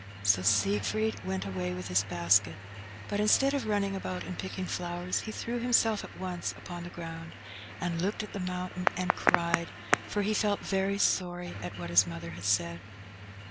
So Siegfried went away with his basket; but instead of running about and picking flowers, he threw himself at once upon the ground, and looked at the mountain, and cried, for he felt very sorry at what his mother had said.